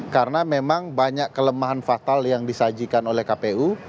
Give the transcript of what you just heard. karena memang banyak kelemahan fatal yang disajikan oleh kpu